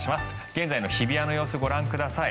現在の日比谷の様子ご覧ください。